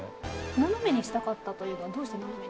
斜めにしたかったというのはどうして斜めに？